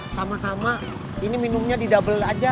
sama sama ini minumnya didouble aja